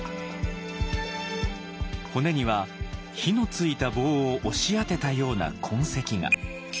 骨には火のついた棒を押し当てたような痕跡が。